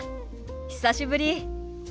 久しぶり。